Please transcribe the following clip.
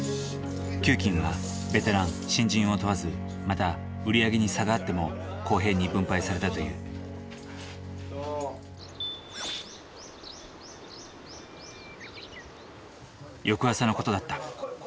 給金はベテラン新人を問わずまた売り上げに差があっても公平に分配されたという翌朝の事だった。